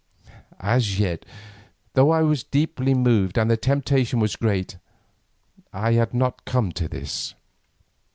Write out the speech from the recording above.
As yet, though I was deeply moved and the temptation was great, I had not come to this.